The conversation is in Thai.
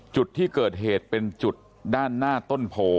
จุดที่เกิดเหตุเป็นจุดด้านหน้าต้นโพ